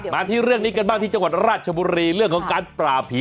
มาที่เรื่องนี้กันบ้างที่จังหวัดราชบุรีเรื่องของการปราบผี